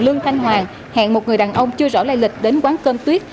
lương thanh hoàng hẹn một người đàn ông chưa rõ lây lịch đến quán cơm tuyết